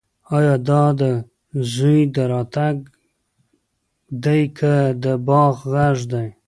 ایا دا د زوی د راتګ ټک دی که د باد غږ دی؟